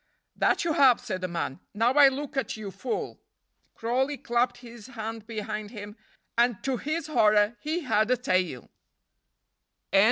"That you have," said the man, "now I look at you full." Crawley clapped his hand behind him, and to his horror he had a tail CHAPTER LXXVI.